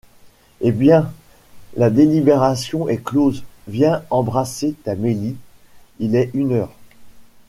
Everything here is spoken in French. Eh! bien, la délibération est close, viens embrasser ta Mélie, il est une heure...